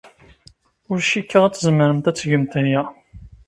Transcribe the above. Ur cikkeɣ ad tzemremt ad tgemt aya.